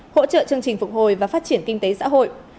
hỗ trợ chương trình phục hồi và phát triển kinh tế xã hội